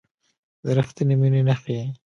د ریښتینې مینې نښې